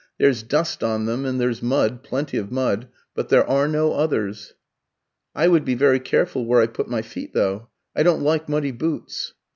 There's dust on them, and there's mud plenty of mud; but there are no others." "I would be very careful where I put my feet, though. I don't like muddy boots."